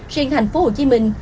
riêng thành phố hồ chí minh